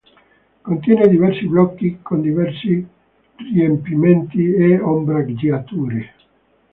Contiene diversi blocchi con diversi riempimenti e ombreggiature.